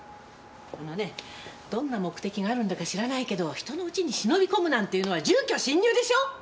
あのねどんな目的があるんだか知らないけど人の家に忍び込むなんていうのは住居侵入でしょ！？